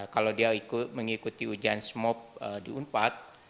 kalau dia mengikuti ujian smop di unpad